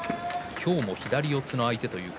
今日も左四つの相手。